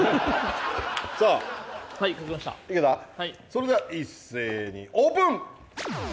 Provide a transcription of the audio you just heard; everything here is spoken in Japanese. それでは一斉にオープン！